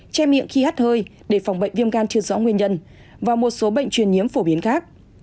che miệng khi hát hơi để phòng bệnh viêm gan chưa rõ nguyên nhân và một số bệnh truyền nhiễm phổ biến khác